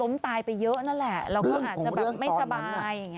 ตายไปเยอะนั่นแหละเราก็อาจจะแบบไม่สบายอย่างนี้